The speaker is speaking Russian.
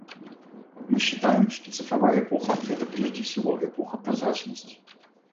Мы считаем, что цифровая эпоха — это прежде всего эпоха прозрачности.